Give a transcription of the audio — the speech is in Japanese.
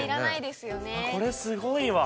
これすごいわ。